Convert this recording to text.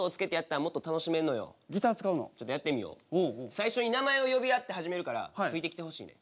最初に名前を呼び合って始めるからついてきてほしいねん。